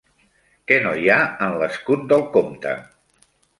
Què no hi ha en l'escut del comte?